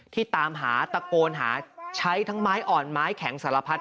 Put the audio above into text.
ตามหาตะโกนหาใช้ทั้งไม้อ่อนไม้แข็งสารพัด